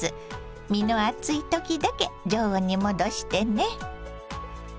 身の厚い時だけ常温に戻してね。